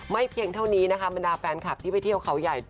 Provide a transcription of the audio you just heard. เพียงเท่านี้นะคะบรรดาแฟนคลับที่ไปเที่ยวเขาใหญ่